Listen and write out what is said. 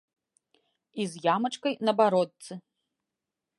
І з ямачкай на бародцы.